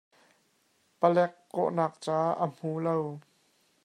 Palik kawhnak ca a hmu lo.